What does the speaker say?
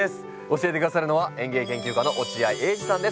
教えて下さるのは園芸研究家の落合英司さんです。